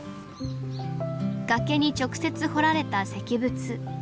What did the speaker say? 崖に直接彫られた石仏。